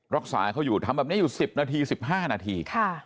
รักษาเขาอยู่ทำแบบนี้อยู่๑๐นาที๑๕นาที